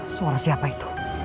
suara siapa itu